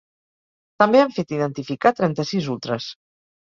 També han fet identificar trenta-sis ultres.